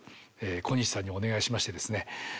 小西さんにお願いしましてですね